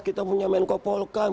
kita punya men kopolkam